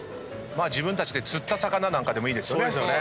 自分たちで釣った魚なんかでもいいですよね。